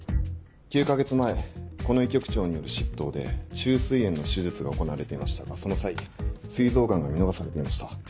９か月前この医局長による執刀で虫垂炎の手術が行われていましたがその際膵臓がんが見逃されていました。